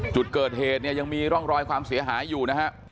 จุดเกิดเหตุเนี่ยยังมีร่องรอยความเสียหายอยู่นะฮะ